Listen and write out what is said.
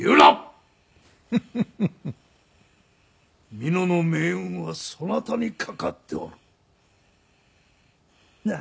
「美濃の命運はそなたにかかっておる」